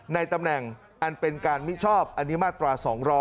ในตำแหน่งอันเป็นการมิชอบอันนี้มาตรา๒๐๐